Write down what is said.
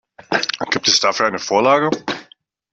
Gibt es dafür eine Vorlage?